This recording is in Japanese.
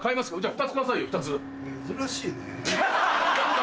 ２つくださいよ２つ。